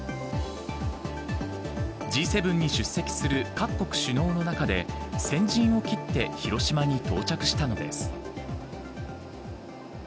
Ｇ７に出席する各国首脳の中で先陣を切って広島に到着したのです。